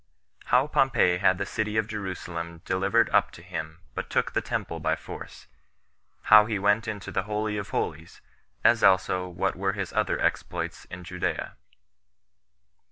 How Pompey Had The City Of Jerusalem Delivered Up To Him But Took The Temple By Force. How He Went Into The Holy Of Holies; As Also What Were His Other Exploits In Judea.